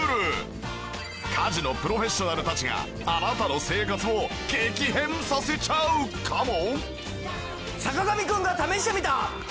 家事のプロフェッショナルたちがあなたの生活を激変させちゃうかも！？